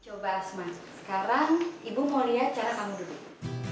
coba asma sekarang ibu mau lihat cara kamu duduk